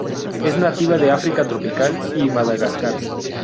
Es nativa de África tropical y Madagascar.